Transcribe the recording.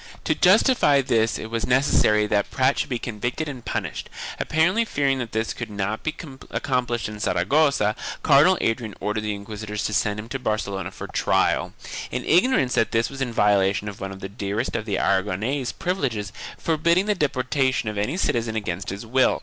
To justify this it was necessary that Prat should be convicted and punished. Apparently fearing that this could not be accom plished in Saragossa, Cardinal Adrian ordered the inquisitors to send him to Barcelona for trial, in ignorance that this was in violation of one of the dearest of the Aragonese privileges for bidding the deportation of any citizen against his will.